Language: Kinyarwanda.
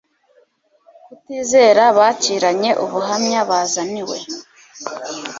Kutizera bakiranye ubuhamya bazaniwe